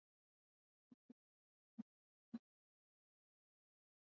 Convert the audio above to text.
Uko upande wetu ama wao?